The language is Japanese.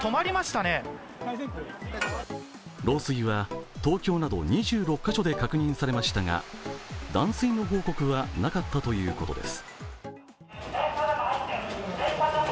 漏水は、東京など２６カ所で確認されましたが断水の報告はなかったということです。